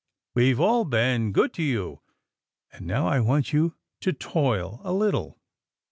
We've all been good to you, and now I want you to toil a little."